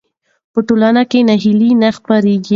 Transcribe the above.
په ټولنه کې ناهیلي نه خپرېږي.